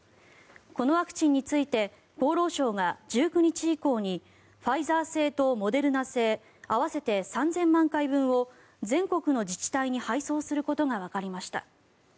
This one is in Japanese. このワクチンについて厚労省が１９日以降にファイザー製とモデルナ製合わせて３０００万回分を全国の自治体に配送することがわかりました。